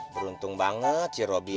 beruntung banget si robi